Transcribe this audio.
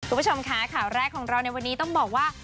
คุณผู้ชมค่ะข่าวแรกของเราในวันนี้ต้องบอกว่า